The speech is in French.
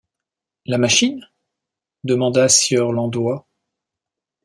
La machine ? demanda sieur Landoys.